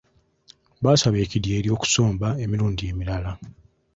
Baasaba ekidyeri okusomba emirundi emirala.